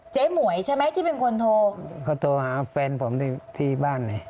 หมวยใช่ไหมที่เป็นคนโทรเขาโทรหาแฟนผมที่ที่บ้านเลย